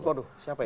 waduh siapa itu